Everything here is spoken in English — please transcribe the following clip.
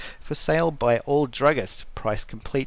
For sale by all druggists. Price complete 25c.